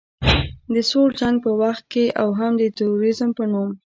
د سوړ جنګ په وخت کې او هم د تروریزم په نوم